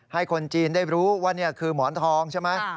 ให้คนจีนได้รู้ว่านี่คือหมอนทองใช่ไหม